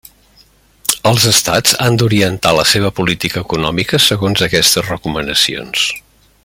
Els Estats han d'orientar la seva política econòmica segons aquestes recomanacions.